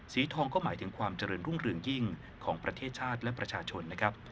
สีทองก็หมายถึงความเจริญรุ่งเรืองยิ่งของประเทศชาติและประชาชนนะครับ